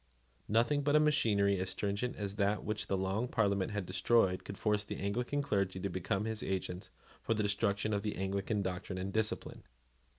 Nothing but a machinery as stringent as that which the Long Parliament had destroyed could force the Anglican clergy to become his agents for the destruction of the Anglican doctrine and discipline.